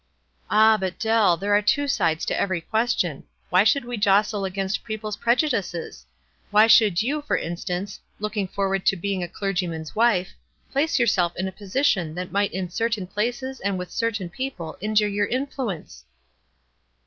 "Ah, but Dell, there are two sides to every question. Why should we jostle against peo ple's prejudices? Why should you, for in stance, looking forward to being a clergyman's wife, place yourself in a position that might in certain places and with certain people injure your influence?"